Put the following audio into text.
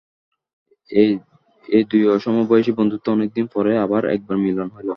এই দুই অসমবয়সী বন্ধুতে অনেকদিন পরে আবার একবার মিলন হইল।